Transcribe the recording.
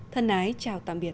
thân ái chào tạm biệt